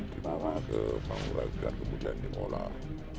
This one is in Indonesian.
di mana ke panggora gudang kemudian di molang